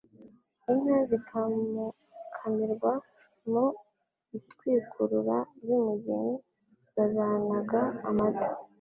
inka zikamukamirwa. Mu itwikurura ry'umugeni bazanaga amata.